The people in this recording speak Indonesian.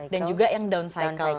dan juga yang downcycle